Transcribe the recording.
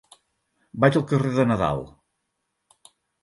Vaig al carrer de Nadal.